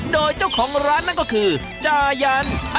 โดยเจ้าของร้านนั่นก็คือจายัน